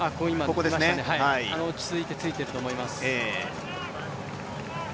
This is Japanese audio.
落ち着いてついていると思います。